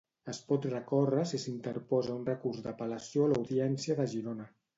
Es pot recórrer si s'interposa un recurs d'apel·lació a l'Audiència de Girona.